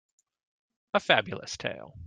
A Fabulous tale.